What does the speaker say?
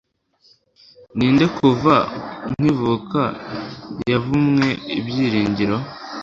Ninde kuva nkivuka yavumwe ibyiringiro.